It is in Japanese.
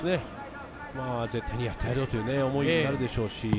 絶対にやってやるぞという思いがあるでしょう。